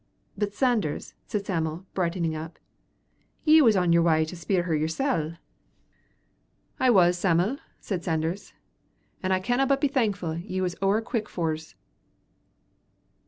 "But, Sanders," said Sam'l, brightening up, "ye was on yer wy to spier her yersel." "I was, Sam'l," said Sanders, "and I canna but be thankfu' ye was ower quick for's."